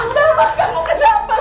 samar kamu kenapa